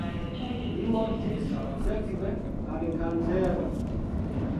Li mortis sekve al kancero.